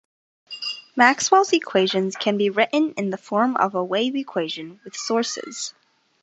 Maxwell's equations can be written in the form of a wave equation with sources.